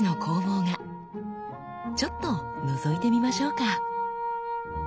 ちょっとのぞいてみましょうか。